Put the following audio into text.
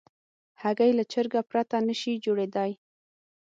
هګۍ له چرګه پرته نشي جوړېدای.